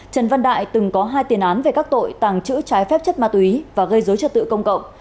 trần văn đại từng có hai tiền án về các tội tàng trữ trái phép chất ma túy và gây dối trật tự công cộng